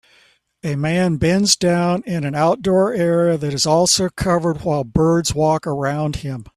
A man bends down in an outdoor area that is also covered while birds walk around him